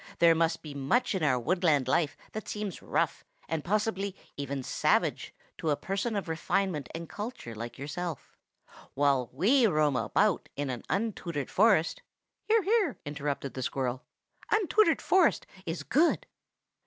There must be much in our woodland life that seems rough, and possibly even savage, to a person of refinement and culture like yourself. While we roam about in the untutored forest" ("Hear! hear!" interrupted the squirrel. "'Untutored forest' is good!")